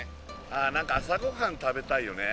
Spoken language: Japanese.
あー何か朝ごはん食べたいよね